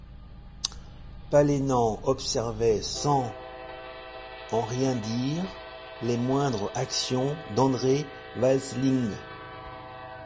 Penellan observait, sans en rien dire, les moindres actions d’André Vasling.